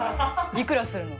いくらするの？